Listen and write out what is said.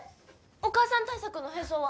お母さん対策の変装は？